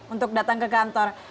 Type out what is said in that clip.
untuk datang ke kantor